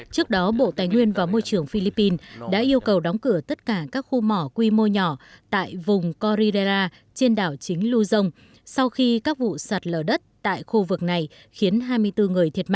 trước đó bộ tài nguyên và môi trường philippines đã yêu cầu đóng cửa tất cả các khu mỏ quy mô nhỏ tại vùng coridera trên đảo chính luzon sau khi các vụ sạt lở đất tại khu vực này khiến hai mươi bốn người thiệt mạng